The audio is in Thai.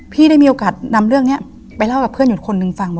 ได้มีโอกาสนำเรื่องนี้ไปเล่ากับเพื่อนอยู่อีกคนนึงฟัง